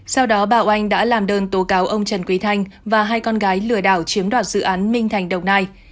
sau đó bảo oanh đã làm đơn tố cáo ông trần quý thanh và hai con gái lừa đảo chiếm đoạt dự án minh thành đồng nai